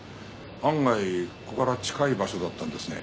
案外ここから近い場所だったんですね。